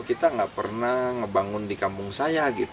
kita nggak pernah ngebangun di kampung saya